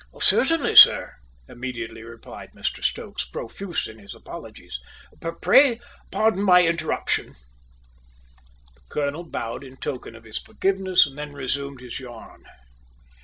"Certainly, sir," immediately replied Mr Stokes, profuse in his apologies. "Pray pardon my interruption!" The colonel bowed in token of his forgiveness and then resumed his yarn.